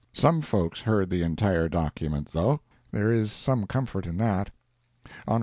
Some folks heard the entire document, though—there is some comfort in that. Hon.